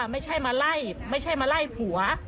ไม่ใช่มาไล่ผัว